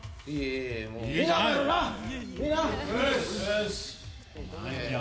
いえいえ。